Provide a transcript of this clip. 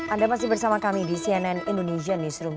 anda masih bersama kami di cnn indonesia newsroom